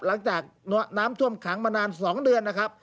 หลังจากน้ำท่วมขังมานาน๒เดือนนะครับ